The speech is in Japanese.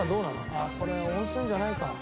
ああこれ温泉じゃないか。